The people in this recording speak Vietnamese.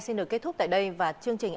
xin được kết thúc tại đây và chương trình